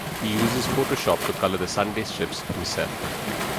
He uses Photoshop to color the Sunday strips himself.